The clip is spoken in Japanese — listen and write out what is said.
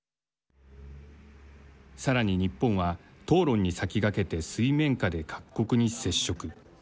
さらに日本は討論に先駆けて水面下で各国に接触。